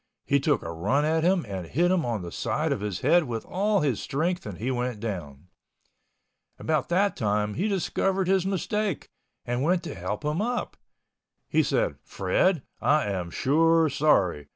He took a run at him and hit him on the side of his head with all his strength and he went down. About that time he discovered his mistake and went to help him up. He said, "Fred, I am sure sorry.